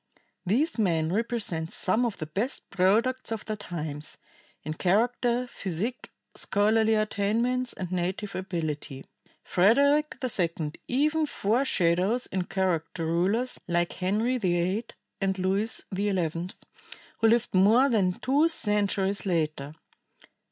These men represent some of the best products of their times, in character, physique, scholarly attainments and native ability. Frederick II even foreshadows in character rulers like Henry VIII and Louis XI, who lived more than two centuries later.